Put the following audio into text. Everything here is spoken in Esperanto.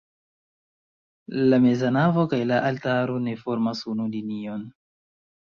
La meza navo kaj la altaro ne formas unu linion.